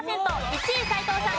１位斎藤さん